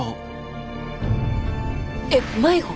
えっ迷子？